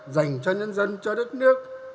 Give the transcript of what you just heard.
dành cho nhân dân cho đất nước